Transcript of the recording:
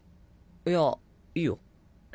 いやいいよ。